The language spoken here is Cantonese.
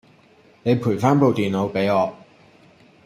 你陪返部電腦畀我